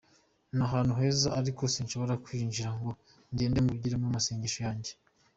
Ni ahantu heza ariko sinshobora kuhinjira ngo ngende mbugiremo amasengesho yanjye.